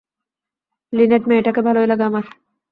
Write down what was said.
Linate মেয়েটাকে ভালোই লাগে আমার।